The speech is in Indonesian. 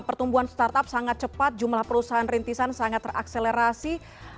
pertumbuhan startup sangat cepat jumlah perusahaan rintisan sangat terakselerasi